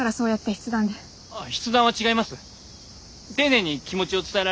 筆談は違います。